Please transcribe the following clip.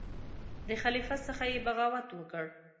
د خلیفه څخه یې بغاوت وکړ.